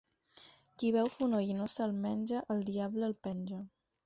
Qui veu fonoll i no se'l menja, el diable el penja.